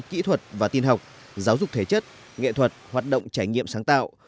kỹ thuật và tiên học giáo dục thế chất nghệ thuật hoạt động trải nghiệm sáng tạo